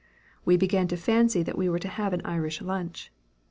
We began to fancy that we were to have an Irish lunch.